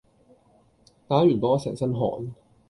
打完波成身汗